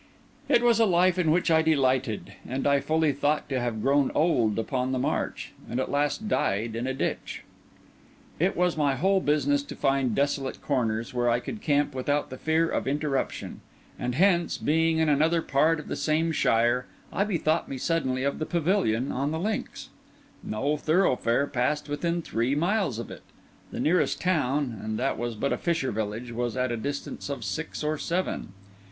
It was a life in which I delighted; and I fully thought to have grown old upon the march, and at last died in a ditch. It was my whole business to find desolate corners, where I could camp without the fear of interruption; and hence, being in another part of the same shire, I bethought me suddenly of the Pavilion on the Links. No thoroughfare passed within three miles of it. The nearest town, and that was but a fisher village, was at a distance of six or seven.